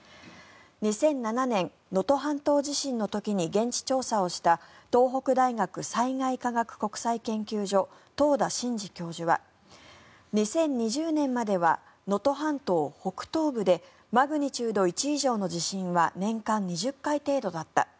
２００７年、能登半島地震の時に現地調査をした東北大学災害科学国際研究所遠田晋次教授は２０２０年までは能登半島北東部でマグニチュード１以上の地震は年間２０回程度だった。